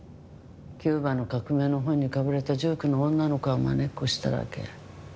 キューバの革命の本にかぶれた１９の女の子がまねっこしただけ。